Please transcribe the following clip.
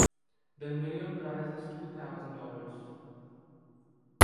The minimum prize is two thousand dollars.